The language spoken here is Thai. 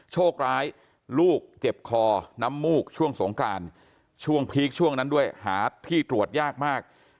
โชคร้ายลูกเจ็บคอน้ำมูกช่วงสงการช่วงพีคช่วงนั้นด้วยหาที่ตรวจยากมาก